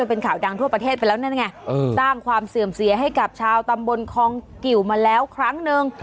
เป็นข่าวดังทั่วประเทศไปแล้วนั่นไงสร้างความเสื่อมเสียให้กับชาวตำบลคองกิวมาแล้วครั้งนึง